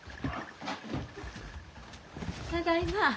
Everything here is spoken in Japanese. ただいま。